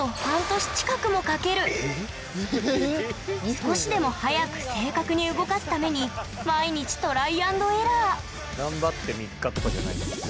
少しでも早く正確に動かすために毎日トライアンドエラー頑張って３日とかじゃないんですね。